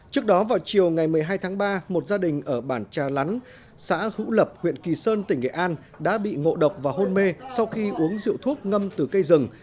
trước đó vào chiều ngày một mươi hai tháng ba một gia đình ở bản trà lán xã hữu lập huyện kỳ sơn tỉnh nghệ an đã bị ngộ độc và hôn mê sau khi uống rượu thuốc ngâm từ cây rừng